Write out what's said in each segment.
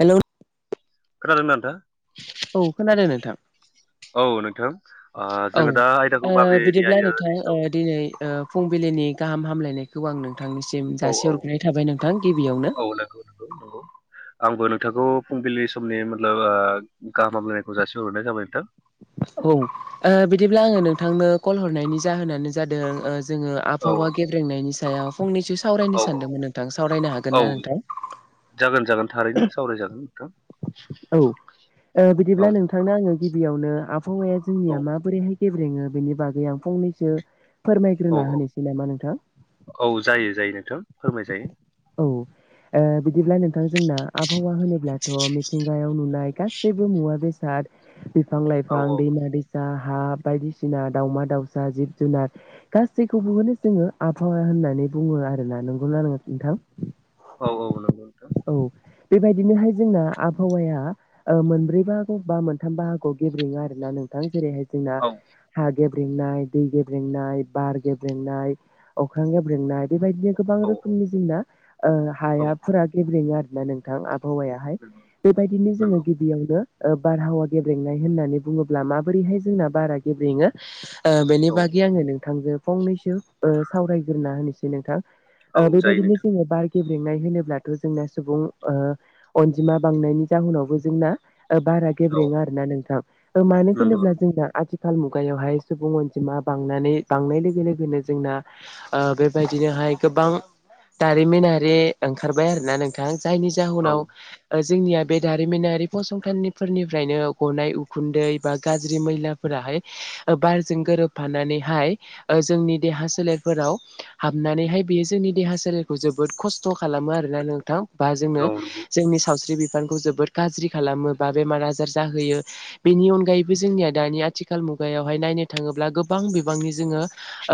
Hello. खोनादोंना नोंथा? औ खोनादों नोंथां। औ नोंथां ओ औ जोङो दा आयदाखौ ओ माबेनि बिदिब्ला आयदानि नोंथां सायाव दिनै ओ फुंबिलिनि गाहाम हामलायनायखौ आंनो नोंथांनिसिम औ जासे औ हरग्रोनाय थाबाय नोंथां गिबियावनो औ नंगौ नंगौ नंगौ आंबो नोंथांखौ फुंबिलि समनि मोब गाहामलायनायखौ जासिहरनाय जाबाय नोंथां औ बिदिब्ला ओ आङो नोंथांनो कल हरनायनि जाहोनानो जादों ओ जोङो औ आबहावा गेब्रेंनायनि सायाव फंनैसो औ सावरायनो औ सानदोंमोन नोंथां सावरायनो हागोन औ ना नोंथां? थ औ ओ बिदिब्ला नोंथांनो आङो गिबियावनो आबहावाया औ जोंनिया माबोरैहाय गेब्रेङो बेनि बागै आं फंनैसो औ फोरमायग्रोना औ होनोसै नामा नोंथां औ जायो जायो नोंथां फोरमायजायो औ ओ बिदिब्ला नोंथां जोंना आबहावा होनोब्लाथ' मिथिंगायाव नुनाय गासैबो मुवा बेसाद बिफां औ लाइफां दैमा दैसा हा बायदिसिना दाउमा दाउसा जिब जुनार गासैखौबोखौनो जोङो आबहावा होननानै बुङो आरो ना नोंगौना नोंथां औ औ नंगौ नोंथां औ बेबायदिनोहाय जोंना आबहावाया ओ मोनब्रै बााहागो बा मोनथाम बाहागोआव गेब्रेङो आरोना नों नोंथां जेरैहाय जोंना औ हा गेब्रेंनाय, दै गेब्रेंनाय, बार गेब्रेंनाय, अख्रां गेब्रेंनाय बेबायदिनो गोबां औ रोखोमनि जोंना ओ औ हायाफोरा गेब्रेङो आरोना नोंथां हौवायाहाय नंगौ बेबायदिनो जोङो नंगौ गिबियावनो बारहावा गेब्रेंनाय होननानै बुङोब्ला माबोरैहाय जोंना बारा गेब्रेङो ओ बेनि औ बागै आङो नोंथांजो फंनैसो सावरायग्रोना होनोसै नोंथां ओ औ जायो बेबायदिनो नोंथां जोङो बार गेब्रेंनाय होनोब्लाथ' जोंना सुबुं ओ अनजिमा बांनायनि जाहोनावबो जोंना ओ बारा औ गेब्रेङो आरो ना नोंथां मानो नंगौ होनोब्ला नंगौ जोंना आथि खाल मुगायावहाय सुबुं अनजिमा बांनानै बांनाय लोगो लोगोनो जोंना ओ बेबायदिनोहाय गोबां दारिमिनारि ओंखारबाय आरोना नोंथाङा जायनि औ जाहोनाव ओ जोंनिया बे दारिमिनारि फसंथानफोरनिफ्रायनो गनाय उखुन्दै बा गाज्रि मैलाफोरा बारजों गोरोबफानानैहाय जोंनि देहा सोलेरफोराव हाबनानैहाय बेयो जोंनि देहा सोलेरखौ जोबो खस्थ' खालामो आरोना नोंथां बा जोंनो औ नंगौ जोंनि सावस्रि बिफांखौ जोबोद गाज्रि खालामो बा बेमार आजार जाहोयो बेनि अनगायैबो जोंनिया दानि आथिखाल मुग मुगायावहाय नायनो थाङोब्ला गोबां बिबांनि जोङो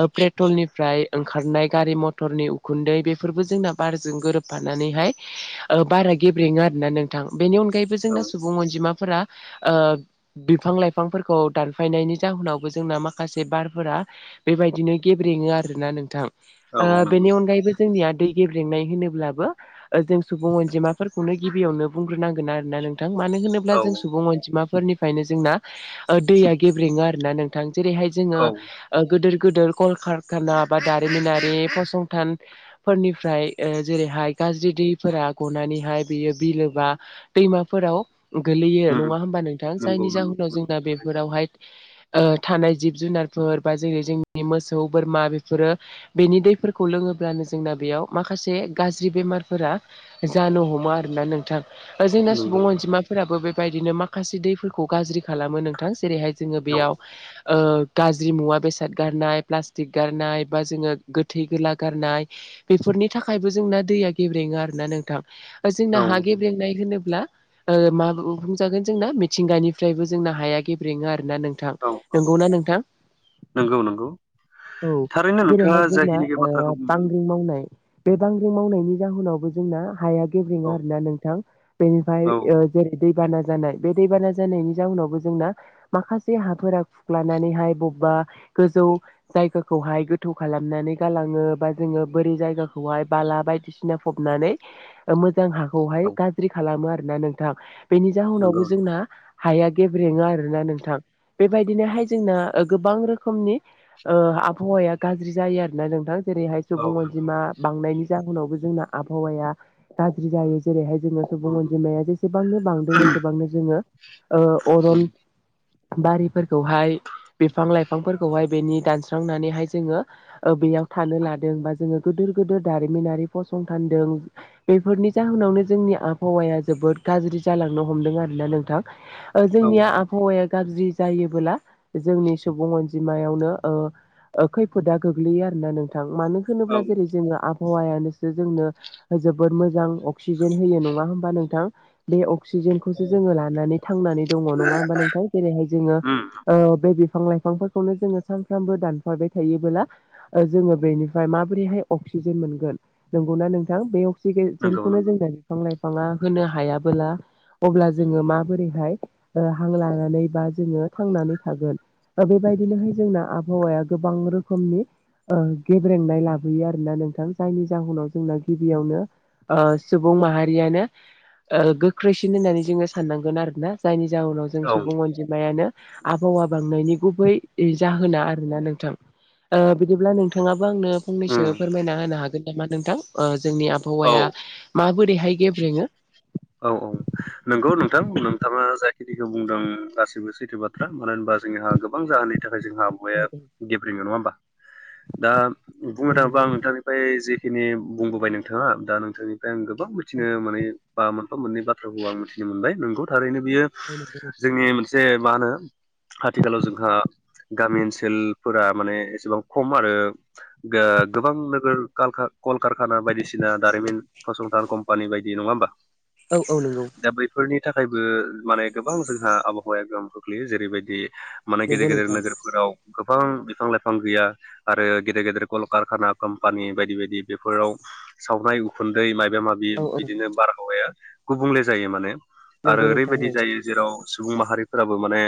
ओ पेट्रलनिफ्राय ओंखारनाय गारि मथर क्टरनि उखुन्दै बेफोरबो जोंना बारजों गोरोबफानानैहाय बारा गेब्रेङो आरोना नोंथां बेनि अनगायैबो औ जोंना सुबुं अनजिमा फोरा ओ बिफां लाइफांफोरखौ दानफायनायनि जाहोनावबो जोंना माखासे बारफोरा बेबायदिनो गेब्रेङो आरोना नोंथां औ बेनि नंगौ अनगायैबो जोंनिया दै गेब्रेंनाय होनोब्लाबो जों सुबुं अनजिमाफोरखौनो गिबियावनो बुंग्रोनांगोन आरोना नों थां मानो होनोब्ला औ जों सुबुं अनजिमाफोरनिफ्रायनो जोंना ओ दैया गेब्रेङो आरोना नोंथां जेरैहाय जोङो औ ओ गदोर गोदोर कलकारखाना बा दारिमिनारि फसंथान फोरनिफ्राय ओ जेरैहाय गाज्रि दैफोरा गनानैहाय बियो बिलो मा दैमाफोराव गोलैयो उम नङा होमबा नोंथां नंगौ जायनि जाहोनाव नंगौ जोंना बेफोरावहाय ओ थानाय जिब जुनारफोर बा जेरै जोंनि मोसौ बोरमा बेफोरो बेनि दै फोरखौ लोङोब्लानो जोंना बेयाव माखासे गाज्रि बेमारफोरा जानो हमो आरोना नोंथां जोंना नंगौ सुबुं अनजिमाफोराबो बेबायदिनो माखासे दैफोरखौ गाज्रि खालामो नोंथां जेरैहाय जोङो बेयाव ओ गाज्रि मुवा बेसाद गारनाय प्लास्टिक गारनाय बा जोङो गो थै गोला गारनाय बेफोरनि थाखायबो जोंना दैया गेब्रेङो आरो ना नोंथां जोंना हा थारैनो गेब्रेंनाय होनोब्ला ओ मा बुं बुंजागोन जोंना मिथिंगानिफ्रायबो जोंना हाया गेब्रेङो आरो ना नोंथां। नंगौना नोंथां? नंगौ नंगौ औ नंगौ औ नंगौ औ थारैनो नोंथाङा जेरैहाय जोंना जाखिनिखि ओ बाथ्राखौ बुंदों बांग्रिं मावनाय बे बांग्रि मावनायनि जाहोनावबो जोंना हाया गेब्रेङो औ आरोना नोंथां बेनिफ्राय औ ओ औ जेरै दै बाना जानाय बे दैबाना जानायनि जउनावबो जोंना माखासे हाफोरा खुख्लानानैहाय बबबा गोजौ जायगाखौहाय गोथौ खालामनानै गालाङो बा जोङो बोरै जायगाखौहाय बाला बायदिसिना फब नानै ओ मो जां हाखौहाय औ गाज्रि खालामो आरोना नोंथां बेनि नंगौ जाहोनावबो नंगौ जोंना हाया गेब्रेङो आरोना नोंथां बेबायदिनोहाय जोंना गोबां रोखोमनि ओ आबहावाया गाज्रि जायो आरो ना नोंथां जेरैहाय औ सुबुं नंगौ अनजिमा बांनायनि जाहोनावबो जोंना आबहावाया गाज्रि जायो जेरैहाय जोङो औ सुबुं उम औ अनजिमाया जेसेबांनो बांदों एसेबांनो जोङो ओ अरन बारिफोरखौहाय बिफां लाइफांफोरखौहाय बेनि दानस्रांनानैहाय जोङो ओ बेयाव थानो लादों बा जोङो गिदोर गोदोर दारिमिनारि फसंथान जों बेफोरनि जाहोनावनो जोंनि आबहावाया जोबोद गाज्रि जालांनो हमदों आरोना नोंथां। ओ औ औ जोंनिया आबहावाया गाज्रि जायोबोला जोंनि सुबुं अनजिमायावनो ओ ओ खैफोदा गोग्लैयो आरोना नोंथां मानो होनोब्ला उम जेरै जोङो आब हवायानोसो जोंनो जोबोद मोजां अक्सिजेन होयो नङा होमबा नोंथां? बे अक्सिजेनखौसो जोङो लानानै थांनानै दङ नङा होमबा नोंथां जेरैहाय जोङो ओ बे बि फां लाइफांफोरखौनो जोङो सा नफ्रामबो दानफाबाय थायोबोला ओ जोङो बेनिफ्राय माबोरैहाय अक्सिजेन मोनगोन नोंगौना। नोंथां बे अक्सिगे नंगौ जेनखौनो नंगौ जोंनो बिफां लाइफाङा होनो हायाबोला। अब्ला जोङो माबोरैहाय ओ हां लानानै बा जोङो थांनानै थागोन। ओ बेबायदिनोहाय जोंना आबहावाया गोबां रोखोमनि ओ गेब्रेंनाय लाबोयो आरोना नोंथां जायनि जाहोनाव जोंना गिबियावनो ओ सुबुं माहारियानो ओ गोख्रैसिन होननानै जोङो साननांगोन आरोना जायनि जाहोनाव जों औ उम सुबुं अनजिमायानो आबहावा बांनायनि गुबै जाहोना। नोंना नोंथां ओ बिदिब्ला नोंथाङाबो आंनो फंनैसो फोरमायना होनो हागोन नामा नोंथां ओ जोंनि औ आबहावाया माबोरैहाय गेब्रेङो। औ औ नंगौ नोंथां नोंथाङा जाखिनिखौ बुंदों गासिबो सैथो बाथ्रा मानो होनबा जोंहा गोबां जाहोननि थाखाय जोंहा औ आबवाया गेब्रेङो नङा होमबा दा औ बुंनो थाङोबा नंगौ आं नोंथां नोंथांनिफ्राय जेखिनि बुंबोबाय नोंथाङा दा नोंथांनि फ्राय आं गोबां मिथिनो मानै बा मोनफा मोननै बाथ्राखौ आं मिथिनो मोनबाय नोंगौ थारैनो बियो औ नंगौ जोंनि मोनसे मा होनो आथिखालाव जोंहा गामि ओनसोलफोरा माने एसेबां खम आरो गो गोबां नोगोर कलकारखाना बायदिसिना दारिमिन फसंथान कम्पानि बायदि नङा होमबा। औ औ नंगौ। नि थाखायबो माने गोबां जोंहा आबहावाया गोहोम खोख्लैयो जेरैबायदि माने गेदेर नंगौ गेदेर नोंथां नोगोरफोराव गोबां बिफां लाइफां गैया आरो गेदेर गेदेर कलकारखाना कम्पानि बायदि बायदि बेफोराव सावनाय उखुन्दै माबा माबि औ औ बिदिनो बारहावाया गुबुंले जायो माने। आरो नंगौ नोंथां ओरैबायदि औ जायो जेराव सुबुं माहारि फोराबो माने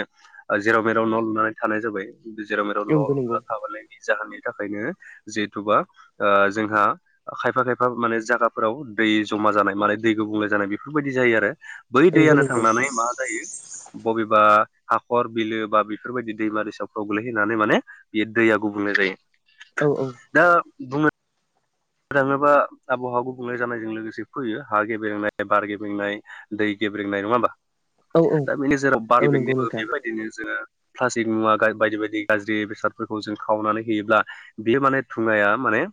जेराव मेराव न' लुनानै थानाय जाबाय जेराव मेराव नंगौ नंगौ न' थाबानाय जाहोननि थाखायनो जिहेथुबा ओ जोंहा खायफा खायफा माने जायगाफोराव दै जमा जानाय माल दै गुबुंले जानाय बेफोरबायदि जायो आरो बै नंगौ दैयानो नंगौ नोंथां थांनानै मा जायो बबेबा हाखर बिलो बा बेफोरबायदि दैमा दैसफ्राव गोलैहैानै माने बेयो दैया गुबुंले जेरै औ औ बुङो थाङोबा आबहावा गुबुंले जानायजों लोगोसे फैयो हा गेबेंनाय बार गेबेंनाय दै गेब्रेंनाय नङा होमबा औ औ दा बेनि जेराव बा औ नंगौ गबनायबो नोंथां बेबायदिनो जोङो प्लास्टिक मुवा गा बायदि बायदि गाज्रि बेसादफोरखौ जों खावनानै होयोब्ला बियो माने धुङाया माने ने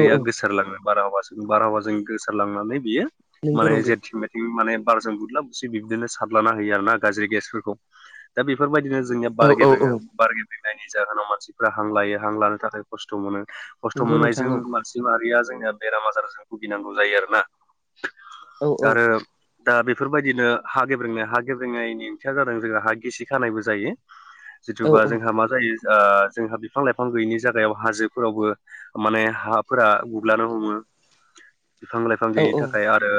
औ औ गोसारलाङो बारहावों बारहावाजों गोसारलांनानै बियो नंगौ माने नंगौ जेथिं मेथिं माने बारजों बुदलाब बुसि बिब्दिनो सारलाना होयो आरोना गाज्रि गेसफोरखौ दा बेफोरबायदिनो जोंनिया औ बार औ औ गेब्रेङो बार गेब्रेंनायनि जाहोनाव मानसिफोरारा हां लायो हां लानो थाखाय खस्थ' मोनो खस्थ' नंगौ नोंथां मोननायजों औ मानसि माहारिया जोंनिया बेराम आजारजों भुगिनांगौ जायो आरोना। औ आरो दा बेफोरबायदिनो हा गेब्रेंनाय हा गेब्रेंनायनि ओंथिया जादों जोंहा हा गिसि खानायबो जायो। औ जिथुबा जोंहा मा जायो आ जोंहा बिफां लाइफां गैयिनि जायगायाव हाजोफोरावबो माने हाफोरा गुग्लानो हमो बिफां लाइफां औ गैयिनि थाखाय आरो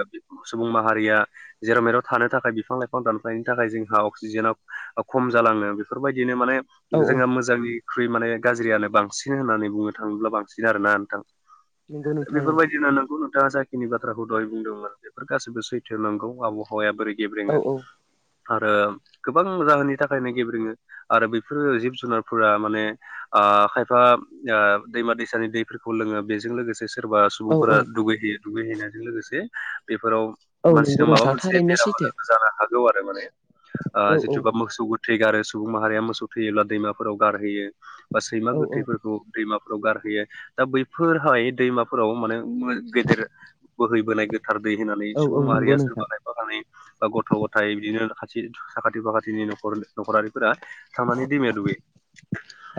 सुबुं माहारिया जेराव मेराव थानो थाखाय बिफां लाइफां दानफायनो थाखाय जोंहा अक्सिजेनाव ओ खम जालाङो बेफोरबायदिनो माने औ औ जोंहा मोजांनिख्रुइ माने गाज्रियानो बांसिन होननानै बुंनो थाङोब्ला बांसिन आरोना नोंथां नंगौ नोंथां औ बेफोरबायदिनो नंगौ थाङा जाखिनि बाथ्राखौ दहाय बुंदोंमोन बेफोर गासिबो सैथो नांगौ आबहावाया बोरै गेब्रेङो औ आरो गोबां जाहोननि थाखायनो गेब्रेङो आरो बेफोरो जिब जुनारफोरा माने आ आ खायफा ओ दैमा दै सानि दैफोरखौ लोङो बेजों लोगोसे सोरबा औ सुबुंफोरा औ दुगैहैयो दुगैहैनायजों लोगोसे बे फोराव औ नंगौ मानसिनाव माबा नोंथां मोनसे थारैनो बेराम सैथो आजार बो जानो हागौ आरो माने ओ औ औ जिथुबा मोसौ गो थै गारो सुबुं माहारिया मोसौ थैयोब्ला दैमाफोराव गारहोयो बा सैमा औ औ गोथैफोरखौ दैमाफोराव गारहोयो दा बैफोरहाय दैमाफोराव माने गेदेर बोहैबोनाय गोथार दै होनानै औ औ सुबुं नंगौ माहारिया सोरबा नोंथां खायफा खानै बा गथ' गथाय बिदिनो थि साखाथि बाखाथि फाखाथिनि न' न'खरारि फोर थांनानै दैमाया दुगैयो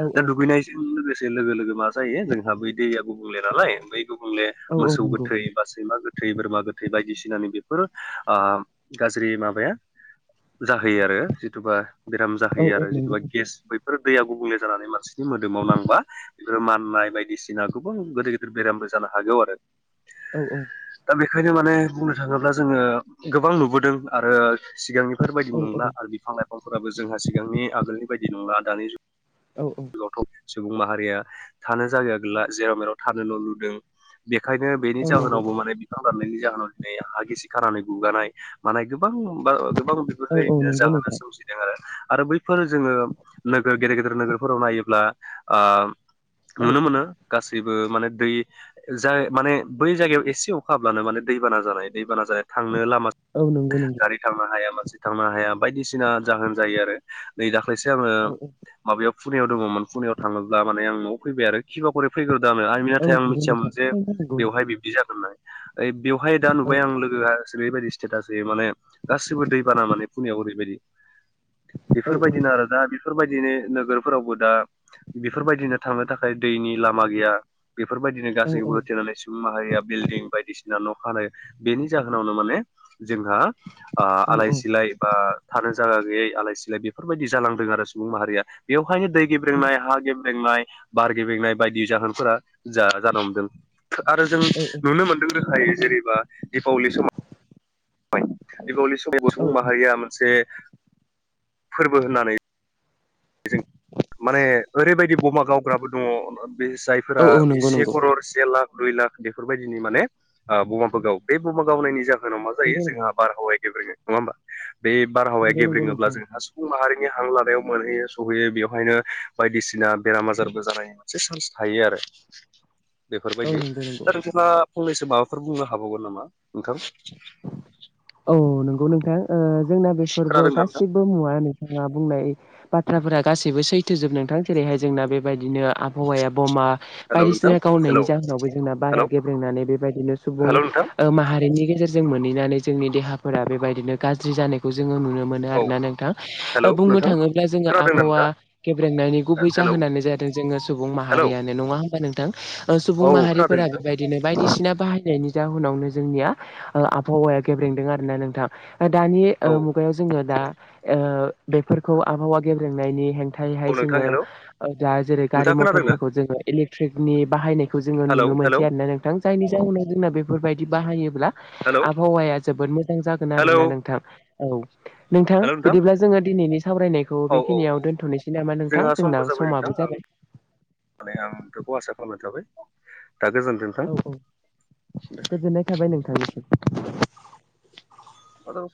औ दा औ दुगैनायजों लोगोसे लोगो लोगो मा जायो जों हा बै दैया गुबुंले नालाय बै गुबुंले औ औ मोसौ नंगौ गोथै बा सैमा गो थै बोरमा गोथै बायदिसिनानि बेफोर ओ गाज्रि माबाया जाहोयो आरो जिथुबा बेराम औ जाहोयो औ आरो नंगौ जिथुबा नोंथां गेस बैफोर दैया गुबुंले जानानै मानसिनि मोदोमाव नांबा बेफोरो माननाय बायदि बायदिसिना गोबां गिदिर गिदिर बेरामबो जानो हागौ आरो। औ औ दा बेखायनो माने बुंनो थाङोब्ला जोङो गोबां नुबोदों आरो सिगांनिफोर बायदि औ नंला आरो बिफां लाइफांफोराबो जोंहा सिगांनि आगोलनि बायदि नंला दानिुग औ औ सुबुं माहारिया थानो जायगा गैला, जेराव मेराव थानो न' लुदों। बे खायनो बेनि औ नंगौ जाहोनावबो माने बिफां दाननायनि जाहोनाव दिनै हा गिसि खानानै गुगानाय मानाय बां बा गोबां औ औ बेफोरबायदिनो नंगौ जाहोना नोंथां सोमजिदों आरो। आरो बैफोर जोङो नोगोर गेदेर गेदेर नोगोरफोराव नायोब्ला ओ नुनो औ मोनो गासि बो माने दै जाय माने बै जायगायाव एसे अखा हाब्लानो माने दैबाना जानाय दै बाना जानाय‌ थांनो लामा औ नंगौ नंगौ गारि थांनो हाया मानसि थांनो हाया बायदिसिना जाहोन जायो आरो नै दाख्लैसो आङो औ औ माबायाव पुनायाव दङ'मोन पुनियाव थाङोब्ला माने आं न'आव फैबाय आरो खिबारि फैग्रो [unintelligible] आरमि औ नाथाय आं नंगौ मिथियामोन नोंथां जे थारैनो नंगौ बेवहाय बिबदि जागोन होननानै। ओ बेवहाय दा नोंथां नुबाय आं लोगो जेरैबायदि स्टेटास होयो माने गासिबो दैबाना माने फुनियाव ओरैबायदि। औ औ औ बेफोरबायदिनो आरो दा बेफोरबायदिनो नोगोर। फोरावबो दा बेफोरबायदिनो थांनो थाखाय दैनि लामा गैया। बेफोरबायदिनो औ गासैखौबो होथेनानै सुबुं माहारिया बिल्डिं बायदिसिना न' हानाय बेनि जाहोनावनो माने जोंहा ओ औ आलाय औ सिलाय बा थानो जायगा गैयै आलाय सिलाय बेफोरबायदि जालांदों आरो सुबुं माहारिया। बेवहायनो दै गेब्रेंनाय हा गेब्रेंनाय बार गेब्रेंनाय बायदि जाहोनफोरा जाहा जानो हमदों। आरो जों औ नुनो मोनदों रोखायै जेनेबा दिपावलि सम दिपावलि समाव औ सुबुं माहारिया मोनसे। फोरबो होननानै माने ओरैबायदि बमा गावग्राबो दङ। बे औ जायफोरा औ नंगौ से नंगौ करर से लाख दुइ लाख बेफोरबायदिनि माने बमाफोर गावो। बे बमा गावनायनि जाहोनाव मा जायो नंगौ जोंहा बारहावाया गेब्रेङो नङा होमबा। बे बारहावाया नंगौ नंगौ गेब्रेङोब्ला नोंथां जोंहा सुबुं माहारिनि हां लानायाव मोनहैयो सहैयो बेवहायनो बायदिसिना बेराम आजारबो जानायनि मोनसे चान्स थायो आरो। औ बेफोरबायदि। नंगौ नंगौ दा नोंथाङा फंनैसो माबा फोर बुंनो हाबावगोन नामा नोथां? औ नंगौ नोंथां ओ जोंना बेफोरबो खोनादोंना नोंथां गासिबो मुवा नोंथाङा बुंनाय बाथ्राफोरा गासैबो सैथोजोब नोंथां। जेरैहाय जोंना बेबायदिनो आबहावाया बमा हेलौ नोंथां बायदिसिना गावनायनि हेलौ जाहोनावबो जोंना बारा हेलौ गेब्रेंनानै बेबायदिनो सुबुं हेलौ नोंथां ओ माहारिनि गेजेरजों मोनहैनानै जोंनि देहाफोरा बेबायदिनो गाज्रि जानायखौ जोङो नु नो मोनो औ आरोना नोंथां। हेलौ बुंनो नोंथां थाङोब्ला जोङो खोनादोंना आबहावा नोंथाङा गेब्रेंनायनि गुबै हेलौ जाहोनानो जादों जोङो सुबुं हेलौ माहारियानो नङा होमबा नों थां? ओ सुबुं औ खोनादों माहारिफोरा नोंथां बेबायदिनो बायदिसिना बाहायनायनि जाउनावनो जोंनिया ओ आबहावाया गेब्रेंदों आरोना नोंथां। ओ दानि ओ औ मुगायाव जोङो दा ओ बेफोरखौ आबहावा गेब्रेंनायनि हें औ थायैहाय नोंथां जोङो हेलौ ओ जाहा जेरै गारि नोंथाङा खोनादोंना मथरफोरखौ जोङो इलेक्ट्रनि बाहायनाय खौ जोङो हेलौ नुनो हेलौ मोनसै आरोना नोंथां। जायनि जाहोनाव जोंना बेफोरबायदि बाहायोब्ला हेलौ आबहावाया। जोबोद मोजां जागोन हेलौ आरोना नोंथां औ नोंथां बिदिब्ला जोङो दिनैनि सावरायनायखौ औ औ औ बेखिनियाव दोन्थ'नोसै नामा नोंथां जोंना समाबो जाबाय। माने आं बेखौ आसा खालामनाय थाबाय। दा गोजोनथों औ औ नोंथां गोजोननाय थाबाय नोंथांनिसिम। हेलौ